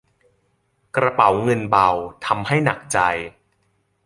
กระเป๋าเงินเบาทำให้หนักใจ